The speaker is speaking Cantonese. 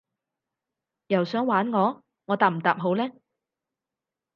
又想玩我？我答唔答好呢？